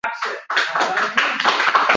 - meva sabzavot yetishtirish